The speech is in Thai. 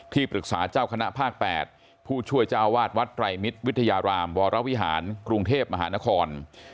ปรึกษาเจ้าคณะภาค๘ผู้ช่วยเจ้าวาดวัดไตรมิตรวิทยารามวรวิหารกรุงเทพมหานคร